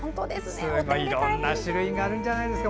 いろんな種類があるんじゃないですか。